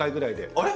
あれ？